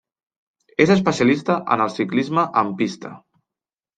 És especialista en el ciclisme en pista.